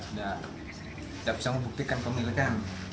tidak bisa membuktikan pemilikan